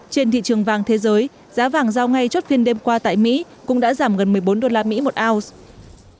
trên thị trường vàng thế giới giá vàng giao ngay chốt phiên đêm qua tại mỹ cũng đã giảm gần một mươi bốn đô la mỹ một ounce